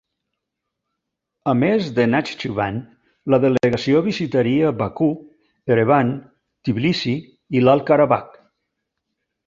A més de Nakhchivan, la delegació visitaria Bakú, Erevan, Tbilissi i Alt Karabakh.